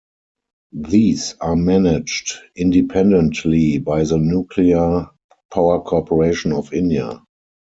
These are managed independently by the Nuclear Power Corporation of India.